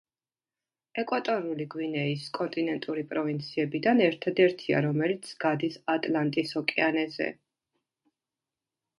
ეკვატორული გვინეის კონტინენტური პროვინციებიდან ერთადერთია, რომელიც გადის ატლანტის ოკეანეზე.